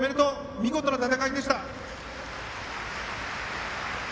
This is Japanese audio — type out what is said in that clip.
見事な戦いでした。